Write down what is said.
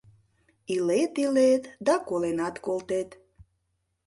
— Илет, илет да коленат колтет.